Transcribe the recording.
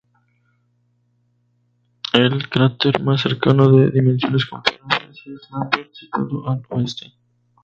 El cráter más cercano de dimensiones comparables es Lambert, situado al oeste.